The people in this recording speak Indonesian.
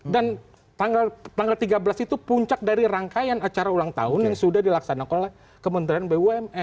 dan tanggal tiga belas itu puncak dari rangkaian acara ulang tahun yang sudah dilaksanakan oleh kementerian bumn